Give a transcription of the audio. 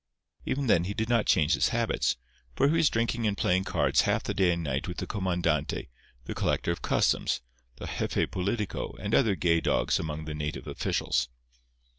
Even then he did not change his habits; for he was drinking and playing cards half the day and night with the comandante, the collector of customs, the Jefe Politico and other gay dogs among the native officials.